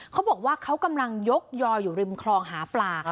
เขาบอกว่าเขากำลังยกยออยู่ริมคลองหาปลา